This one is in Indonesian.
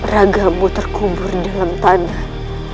ragamu terkubur dalam tanah